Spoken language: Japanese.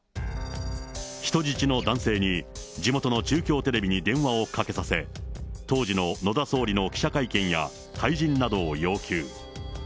人質の男性に、地元の中京テレビに電話をかけさせ、当時の野田総理の記者会見や退陣などを要求。